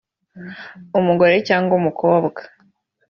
umugore cyangwa umukobwa